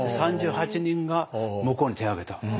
３８人が向こうに手を挙げた。